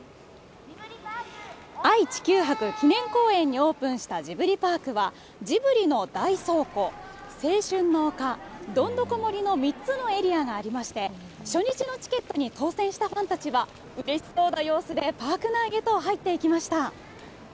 愛・地球博記念公園にオープンしたジブリパークは、ジブリの大倉庫、青春の丘、どんどこ森の３つのエリアがありまして、初日のチケットに当せんしたファンたちは、うれしそうな様子でパーク内へと入っていきました。